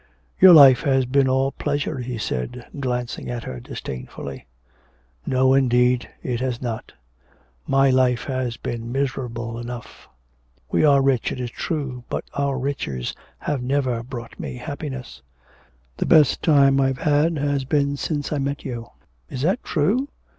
'Your life has been all pleasure,' he said, glancing at her disdainfully. 'No, indeed, it has not. My life has been miserable enough. We are rich, it is true, but our riches have never brought me happiness. The best time I've had has been since I met you.' 'Is that true?